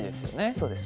そうです。